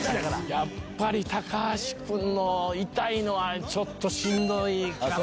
やっぱり高橋君のいたいのは、ちょっとしんどいかな。